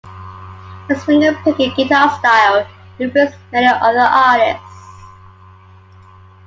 His fingerpicking guitar style influenced many other artists.